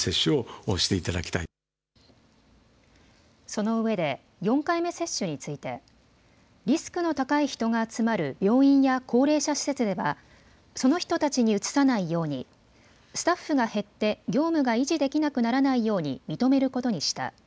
そのうえで４回目接種についてリスクの高い人が集まる病院や高齢者施設ではその人たちにうつさないようにスタッフが減って業務が維持できなくならないように認めることにした。